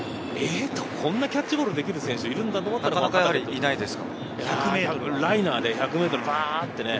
こんなキャッチボールできる選手がいるんだって思って、ライナーで１００ｍ、バ！って。